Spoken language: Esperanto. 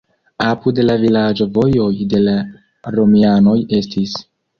Apud la vilaĝo vojoj de la romianoj estis.